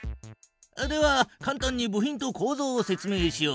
ではかん単に部品とこうぞうを説明しよう。